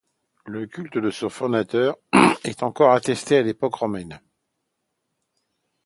Le culte de son fondateur est encore attesté à l'époque romaine.